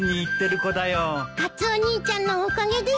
カツオ兄ちゃんのおかげです。